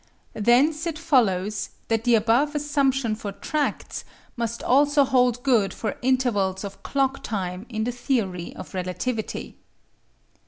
Thence it follows that the above assumption for tracts must also hold good for intervals of clock time in the theory of relativity.